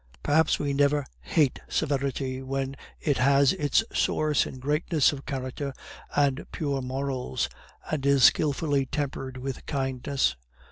Perhaps we never hate severity when it has its source in greatness of character and pure morals, and is skilfully tempered with kindness.